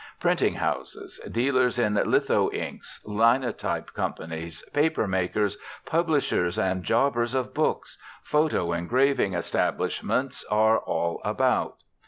Printing houses, dealers in "litho inks," linotype companies, paper makers, "publishers and jobbers of books," "photo engraving" establishments are all about.